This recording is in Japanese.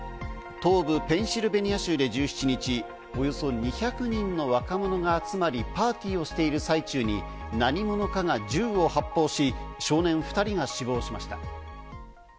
東部ペンシルベニア州で１７日、およそ２００人の若者が集まり、パーティーをしている最中に何者かが銃を発砲し、少年２人が死亡しました。